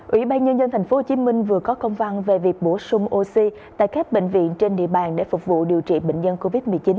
ủy ban nhân dân thành phố hồ chí minh vừa có công văn về việc bổ sung oxy tại các bệnh viện trên địa bàn để phục vụ điều trị bệnh nhân covid một mươi chín